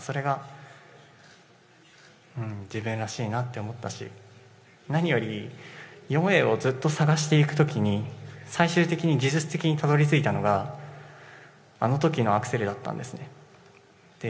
それが自分らしいなって思ったし、何より４Ａをずっと探していくときに最終的に技術的にたどり着いたのがあのときのアクセルだったんですね。